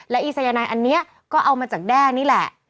และอีสายนายอันนี้ก็เอามาจากแด้นี่แหละ